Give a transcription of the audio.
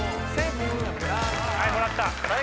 はいもらった。